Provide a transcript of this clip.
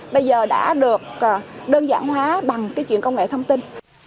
bây giờ đã được đơn giản hóa bằng cái chuyện công nghệ thông tin